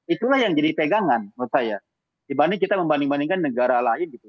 itulah yang jadi pegangan menurut saya dibanding kita membanding bandingkan negara lain gitu